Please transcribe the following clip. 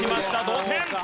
同点！